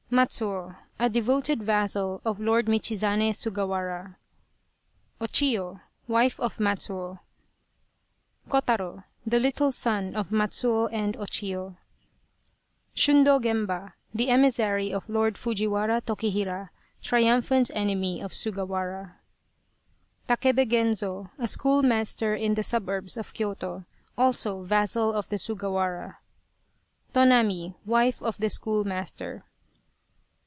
MATSUO, a devoted vassal of Lord Michizane Sugawara. O CHIYO, wife of Matsuo. KOTARO, the little son of Matsuo and Chiyo. SHUNDO GEMBA, the emissary of Lord Fujiwara Tokihira, triumphant enemy of Sugawara. TAKEBE GENZO, a schoolmaster in the suburbs of Kyoto, also vassal of the Sugawara. TONAMI, wife of the schoolmaster.